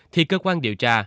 thì cơ quan điều tra